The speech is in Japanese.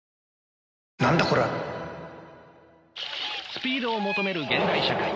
スピードを求める現代社会。